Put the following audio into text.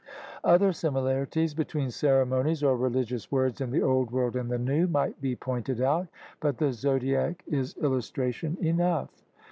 Other similarities between ceremonies or religious words in the Old World and the New might be pointed out, but the zodiac is illustration enough.